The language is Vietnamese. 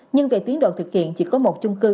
nhưng về tiến độ thực hiện chỉ có một chung cư